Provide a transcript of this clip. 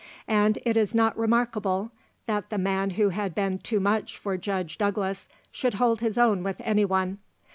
And it is not remarkable that the man who had been too much for Judge Douglas should hold his own with any one.